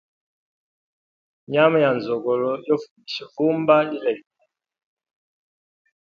Nyama ya nzogolo yo fumisha vumba lilegele.